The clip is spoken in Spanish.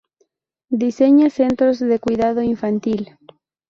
Diseña centros de cuidado infantil.